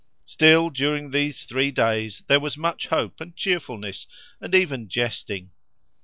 Still, during these three days there was much hope and cheerfulness, and even jesting.